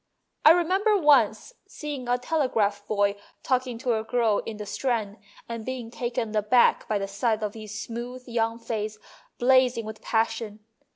I remember once seeing a telegraph boy talking to a girl in the Strand, and being taken aback by the sight of his smooth young face blazing with passion.